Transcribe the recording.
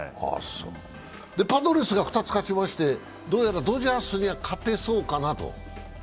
パドレスが２つ勝ちまして、どうやらドジャースには勝てそうかなと。